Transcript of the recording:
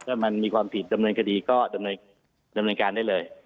ถ้ามันมีความผิดดำเนินคดีก็ดำเนินการได้เลย